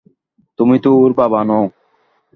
তুমি তো ওর বাবা নও।